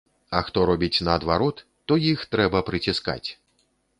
А хто робіць наадварот, то іх трэба прыціскаць.